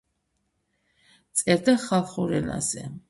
წერდა ხალხურ ენაზე.